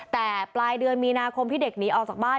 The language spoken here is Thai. แต่ปลายเดือนมีนาคมที่เด็กหนีออกจากบ้าน